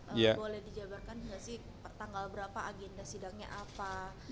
boleh dijabarkan nggak sih tanggal berapa agenda sidangnya apa